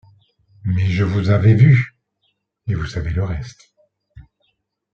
Mais je vous avais vus !… et vous savez le reste.